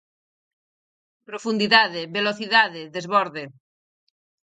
Profundidade, velocidade, desborde.